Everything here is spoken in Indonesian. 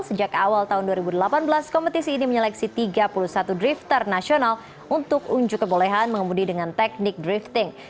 sejak awal tahun dua ribu delapan belas kompetisi ini menyeleksi tiga puluh satu drifter nasional untuk unjuk kebolehan mengemudi dengan teknik drifting